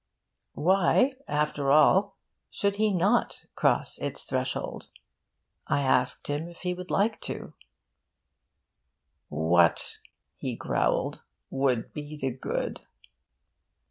Why, after all, should he not cross its threshold? I asked him if he would like to. 'What,' he growled, 'would be the good?'